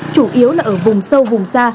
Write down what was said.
chủ yếu là ở vùng sâu vùng xa